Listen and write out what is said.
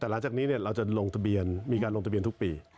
แต่หลังจากนี้เราจะลงทะเบียนมีการลงทะเบียนทุกปี